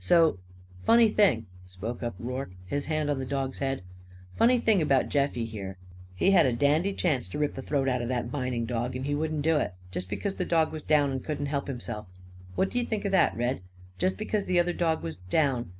So " "Funny thing!" spoke up Rorke, his hand on the dog's head. "Funny think 'bout Jeffie, here! He had a dandy chance to rip the throat out of that Vining dog; and he wouldn't do it, just because the dog was down and couldn't help himself! What d'you think of that, Red? Just because the other dog was down.